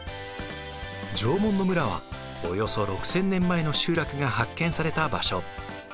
縄文の村はおよそ６，０００年前の集落が発見された場所。